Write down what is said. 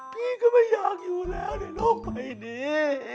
พี่ก็ไม่อยากอยู่แล้วในโลกใบนี้